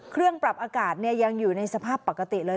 เครื่องปรับอากาศยังอยู่ในสภาพปกติเลย